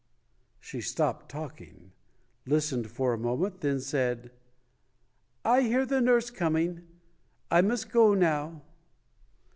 She stopped talking, listened for a moment, then said, "I hear the nurse coming. I must go now".